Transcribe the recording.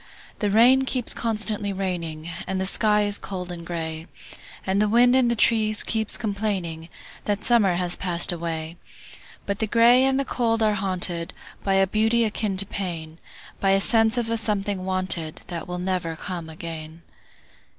The rain keeps constantly raining, And the sky is cold and gray, And the wind in the trees keeps complainingThat summer has passed away;—But the gray and the cold are hauntedBy a beauty akin to pain,—By a sense of a something wanted, That never will come again.